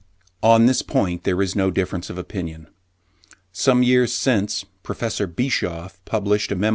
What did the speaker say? On this point there is no difference of opinion. Some years since, Professor Bischoff published a memoir (70.